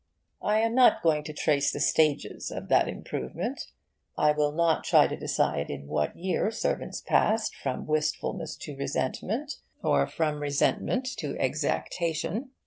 I am not going to trace the stages of that improvement. I will not try to decide in what year servants passed from wistfulness to resentment, or from resentment to exaction.